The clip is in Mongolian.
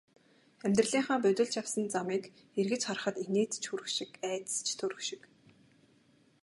Амьдралынхаа будилж явсан замыг эргэж харахад инээд ч хүрэх шиг, айдас ч төрөх шиг.